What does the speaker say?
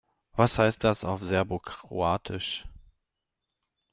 Was heißt das auf Serbokroatisch?